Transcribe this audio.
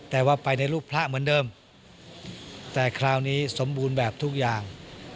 แต่ว่าไปในรูปพระเหมือนเดิมแต่คราวนี้สมบูรณ์แบบทุกอย่าง